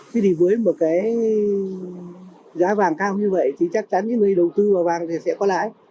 thế thì với một cái giá vàng cao như vậy thì chắc chắn những người đầu tư vào vàng thì sẽ có lãi